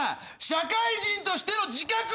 社会人としての自覚を。